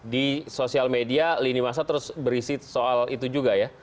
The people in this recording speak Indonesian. di sosial media lini masa terus berisi soal itu juga ya